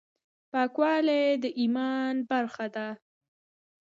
پاکوالي د ايمان برخه ده.